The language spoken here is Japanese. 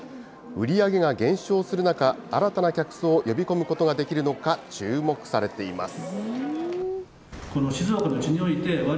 売り上げが減少する中、新たな客層を呼び込むことができるのか、注目されています。